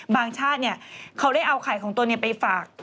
บางชาติเขาได้เอาไข่ของตัวนี้ไปฝาก